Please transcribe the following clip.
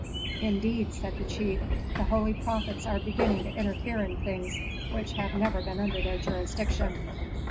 "Indeed," said the chief, "the holy prophets are beginning to interfere in things which have never been under their jurisdiction."